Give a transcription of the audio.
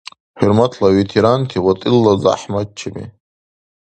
ХӀурматла ветеранти ва тылла зяхӀматчиби!